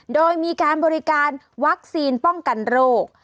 โดยมีการบริการวัคซีนป้องกันโรค